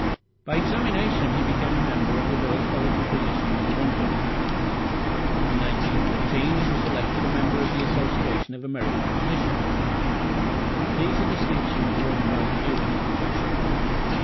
By examination he became a member of the Royal College of Physicians, London. In 1914 he was elected a member of the Association of American Physicians. These are distinctions won by few in the profession.